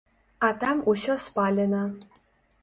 А там усё спалена.